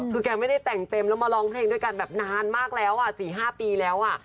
คือแกไม่ได้แต่งเต็มแล้วมาร้องเพลงด้วยกันแบบนานมากแล้ว๔๕ปีแล้วอ่ะ